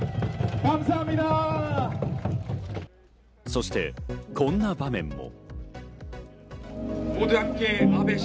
そして、こんな場面も。